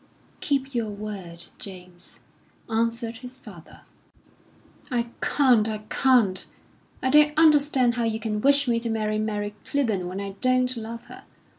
"Keep your word, James," answered his father. "I can't, I can't! I don't understand how you can wish me to marry Mary Clibborn when I don't love her.